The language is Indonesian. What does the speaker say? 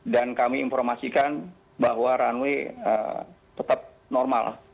dan kami informasikan bahwa runway tetap normal